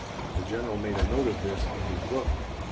The General made a note of this in his book.